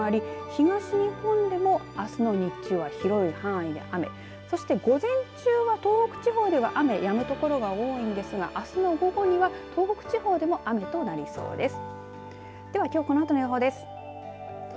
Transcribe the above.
東日本でもあすの日中は、広い範囲で雨そして午前中は東北地方では雨、やむ所が多いんですがあすの午後には東北地方でも雨となりそうです。